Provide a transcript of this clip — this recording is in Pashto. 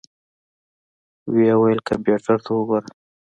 ويې ويل کمپيوټر ته وګوره.